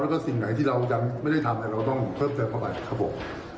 แล้วก็สิ่งไหนที่เรายังไม่ได้ทำเราต้องเพิ่มเติมเข้าไปครับผม